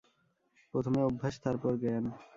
প্রথমে অভ্যাস, তারপর জ্ঞান।